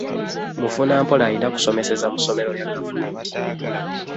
Mufuna mpola alina kusomeseza mu ssomero lya gavumenti.